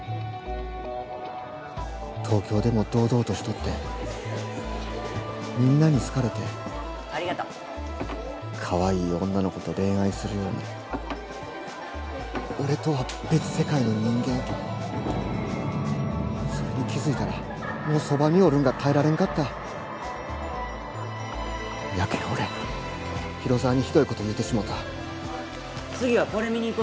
東京でも堂々としとってみんなに好かれてかわいい女の子と恋愛するような俺とは別世界の人間それに気づいたらもうそばにおるんが耐えられんかったやけん俺広沢にひどいこと言うてしもうた「次はこれ見に行こう」